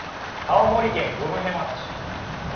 青森県五戸町